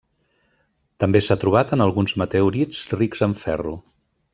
També s'ha trobat en alguns meteorits rics en ferro.